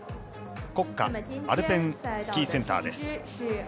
国家アルペンスキーセンターです。